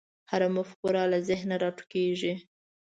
هره مفکوره له ذهنه راټوکېږي.